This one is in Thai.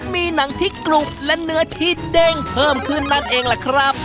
มีหนังที่กรุบและเนื้อที่เด้งเพิ่มขึ้นนั่นเองล่ะครับ